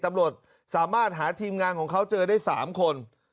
ตำรวจสามารถหาทีมงานของเขาเจอได้๓คน